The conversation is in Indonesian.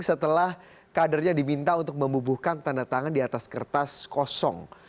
setelah kadernya diminta untuk membubuhkan tanda tangan di atas kertas kosong